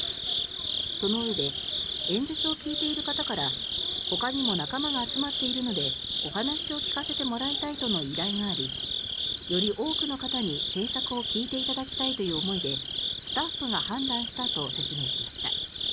そのうえで演説を聞いている方からほかにも仲間が集まっているのでお話を聞かせてもらいたいとの依頼がありより多くの方に政策を聞いていただきたいという思いでスタッフが判断したと説明しました。